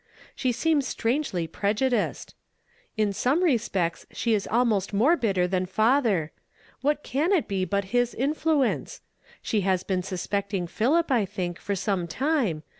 She seems strangely prejudiced. Jn some respects she is al most more hitter than father. What can it be but his influence? She has been suspecting Philip, I think, for some time